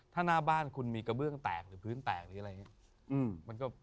ถ้าหน้าบ้านคุณมีกระเบื้องแตกหรือพื้นแตก